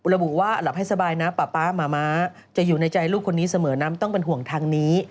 ระบุว่าหลับให้สบายนะป๊าป๊าหมาม้าจะอยู่ในใจลูกคนนี้เสมอน้ำต้องเป็นห่วงทางนี้